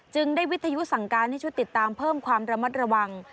ได้วิทยุสั่งการให้ชุดติดตามเพิ่มความระมัดระวัง